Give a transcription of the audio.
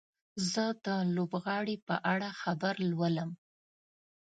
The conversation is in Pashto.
زه د لوبغاړي په اړه خبر لولم.